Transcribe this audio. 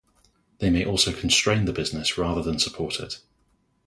They may also constrain the business rather than support it.